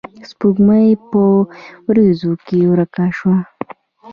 سپوږمۍ پۀ وريځو کښې ورکه شوه